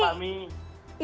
selamat malam fahmi